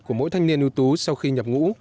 của mỗi thanh niên ưu tú sau khi nhập ngũ